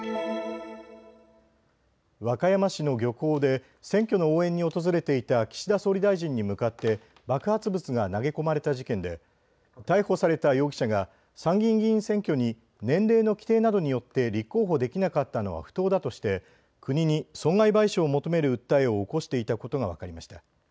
和歌山市の漁港で選挙の応援に訪れていた岸田総理大臣に向かって爆発物が投げ込まれた事件で逮捕された容疑者が参議院議員選挙に年齢の規定などによって立候補できなかったのは不当だとして国に損害賠償を求める訴えを起こしていたことが分かりました。